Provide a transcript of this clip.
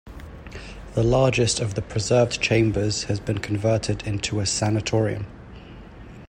The largest of the preserved chambers has been converted into a sanatorium.